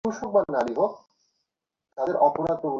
তারা তোমাকে বিশ্বাস করতে পারে।